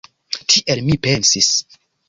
Tiel mi pensis.